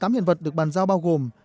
một mươi tám hiện vật được bàn giao bao gồm